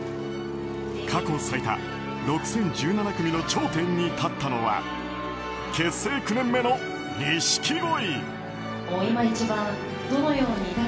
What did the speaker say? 過去最多６０１７組の頂点に立ったのは結成９年目の錦鯉。